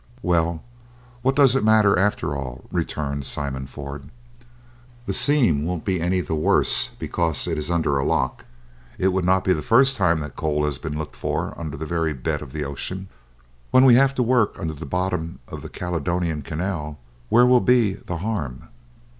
"Well! what does it matter after all?" returned Simon Ford; "the seam won't be any the worse because it is under a loch. It would not be the first time that coal has been looked for under the very bed of the ocean! When we have to work under the bottom of the Caledonian Canal, where will be the harm?"